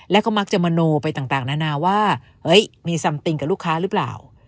แล้วก็มักจะมโนไปต่างนานาว่าเฮ้ยมีซัมติงกับลูกค้าหรือเปล่า